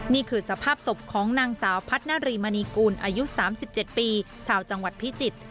นี่คือสภาพศพของนางสาวพัฒนารีมณีกูลอายุ๓๗ปีชาวจังหวัดพิจิตร